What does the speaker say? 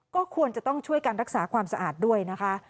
ก็ควรจะต้องช่วยการรักษาความสะอาดด้วยนะคะ